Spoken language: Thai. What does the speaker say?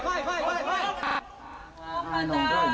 รู้หภาระท้อน